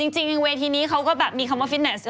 จริงเวทีนี้เขาก็แบบมีคำว่าฟิตเนส